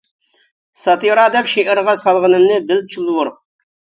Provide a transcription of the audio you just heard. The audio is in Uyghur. ساتىرا دەپ شېئىرغا، سالغىنىمنى بىل چۇلۋۇر.